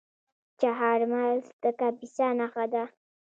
چهارمغز د کاپیسا نښه ده.